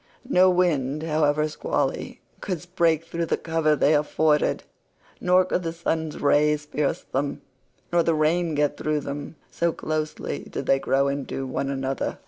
No wind, however squally, could break through the cover they afforded, nor could the sun's rays pierce them, nor the rain get through them, so closely did they grow into one another.